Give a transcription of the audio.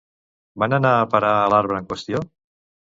Van anar a parar a l'arbre en qüestió?